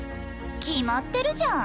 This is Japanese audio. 決まってるじゃん。